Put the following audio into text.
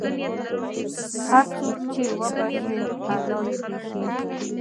هر څوک چې بښي، الله یې بښي.